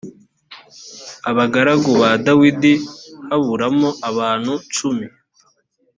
abagaragu ba dawidi haburamo abantu cumi